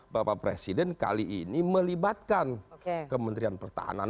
bapak presiden kali ini melibatkan kementerian pertahanan